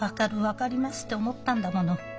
分かります」って思ったんだもの。